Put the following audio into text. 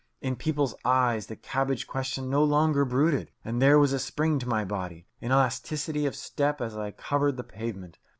In people's eyes the cabbage question no longer brooded. And there was a spring to my body, an elasticity of step as I covered the pavement.